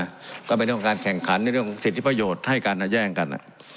ก็เป็นเรื่องของการแข่งขันในเรื่องของสิทธิประโยชน์ให้กันแย่งกัน